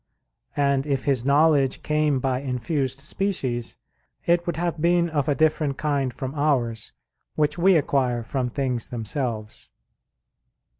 And if his knowledge came by infused species, it would have been of a different kind from ours, which we acquire from things themselves.